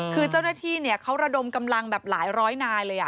คือเจ้าหน้าที่เขาระดมกำลังแบบหลายร้อยนายเลย